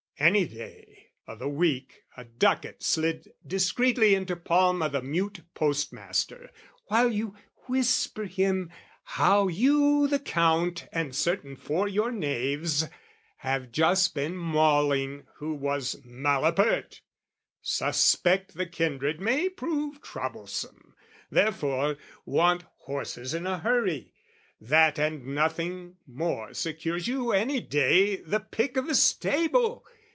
And day o' the week, A ducat slid discreetly into palm O' the mute post master, while you whisper him How you the Count and certain four your knaves, Have just been mauling who was malapert, Suspect the kindred may prove troublesome, Therefore, want horses in a hurry, that And nothing more secures you any day The pick o' the stable!